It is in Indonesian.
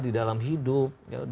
di dalam hidup